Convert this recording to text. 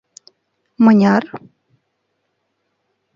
— Мыняр?!